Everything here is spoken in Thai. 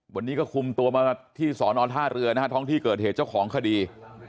วันนี้ก็คุมตัวมาที่สอนอท่าเรือนะฮะท้องที่เกิดเหตุเจ้าของคดี